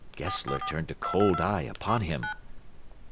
Gessler turned a cold eye upon him.